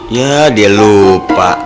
iya dia lupa